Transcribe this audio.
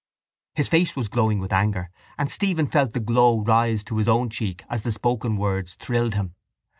His face was glowing with anger and Stephen felt the glow rise to his own cheek as the spoken words thrilled him.